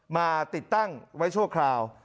มาติดตั้งไว้ชั่วคราว